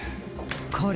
これ。